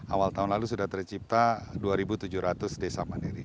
awal tahun lalu sudah tercipta dua tujuh ratus desa mandiri